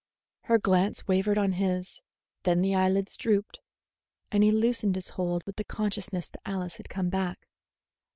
Her glance wavered on his; then the eyelids drooped; and he loosened his hold with the consciousness that Alice had come back.